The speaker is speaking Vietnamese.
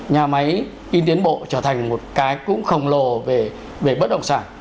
nhà máy in tiến bộ trở thành một cái cũng khổng lồ về bất động sản